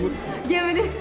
ゲームです。